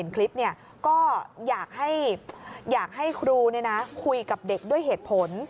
คลิปก็อยากให้ครูคุยกับเด็กด้วยเหตุผล